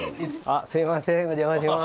すいませんお邪魔します。